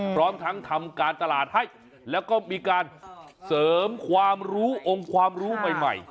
พร้อมทั้งทำการตลาดให้แล้วก็มีการเสริมความรู้องค์ความรู้ใหม่